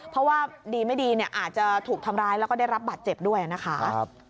เพราะว่าดีไม่ดีเนี่ยอาจจะถูกทำร้ายแล้วก็ได้รับบาดเจ็บด้วยนะคะ